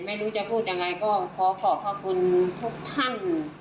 ไม่รู้จะพูดอย่างไรก็ขอบความขอบคุณทุกท่าน